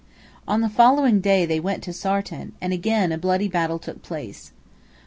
On the day following they went to Sartan, and again a bloody battle took place.